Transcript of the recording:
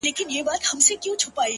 اوس له خپل ځان څخه پردى يمه زه؛